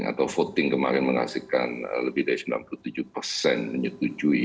atau voting kemarin menghasilkan lebih dari sembilan puluh tujuh persen menyetujui